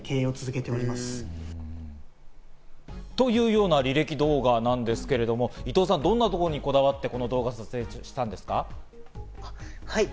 ご覧いただきます。というような履歴動画なんですけれども、伊藤さん、どんなところにこだわって撮影したんですはい。